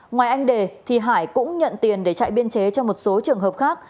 ngoài anh đề thì hải cũng nhận tiền để chạy biên chế cho một số trường hợp khác